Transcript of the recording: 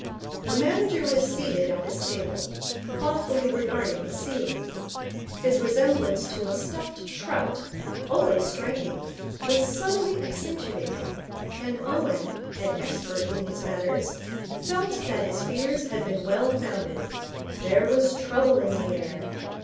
The manager was seated at his table, thoughtfully regarding the ceiling. His resemblance to a stuffed trout, always striking, was subtly accentuated, and Owen, an expert in these matters, felt that his fears had been well founded there was trouble in the air.